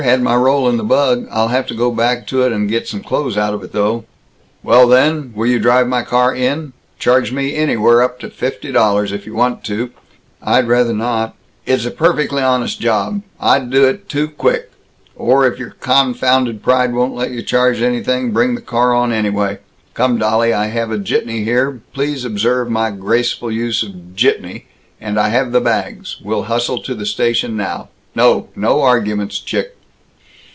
Had my roll in the bug. I'll have to go back to it and get some clothes out of it, though." "Well, then, will you drive my car in? Charge me anywhere up to fifty dollars, if you want to " "I'd rather not " "It's a perfectly honest job I'd do it, too quick! Or if your confounded pride won't let you charge anything, bring the car on anyway. Come, dolly, I have a jitney here, please observe my graceful use of 'jitney,' and I have the bags. We'll hustle to the station now. No! No arguments, chick!"